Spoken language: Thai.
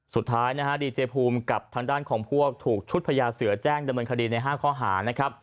สุดท้ายดีเจภูมิกับทางด้านของพวกถูกชุดพระยาเสือแจ้งดำเนินคดีในห้างข้อหา